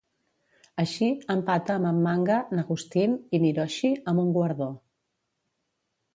Així, empata amb en Manga, n'Agustín i n'Hiroshi amb un guardó.